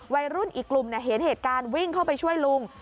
วัยรุ่นอีกกลุ่มเห็นเหตุการณ์วิ่งเข้าไปช่วยลุง